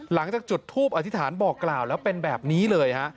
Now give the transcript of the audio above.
หลังจากจุดทูปอธิษฐานบอกกล่าวแล้วเป็นแบบนี้เลยฮะ